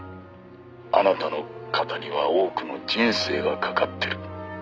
あなたの肩には多くの人生がかかってる」